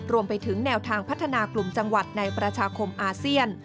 รวมไปถึงแนวทางพัฒนากลุ่มจังหวัดในประชาคมอาเซียน